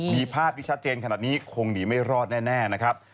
มีภาพที่ชัดเจนขนาดนี้คงหนีไม่รอดแน่นะครับ